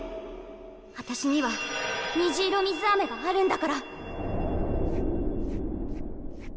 あたしには虹色水あめがあるんだから。